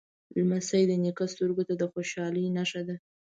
لمسی د نیکه سترګو ته د خوشحالۍ نښه ده.